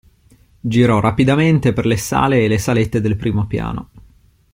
Girò rapidamente per le sale e le salette del primo piano.